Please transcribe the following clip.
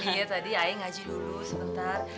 iya tadi aye ngaji dulu sebentar